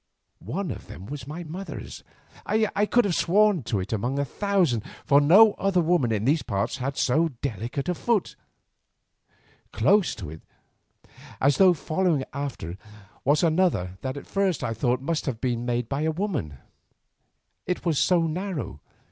One of them was my mother's. I could have sworn to it among a thousand, for no other woman in these parts had so delicate a foot. Close to it, as though following after, was another that at first I thought must also have been made by a woman, it was so narrow.